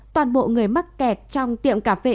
toàn bộ người mắc kẹt trong tiệm cà phê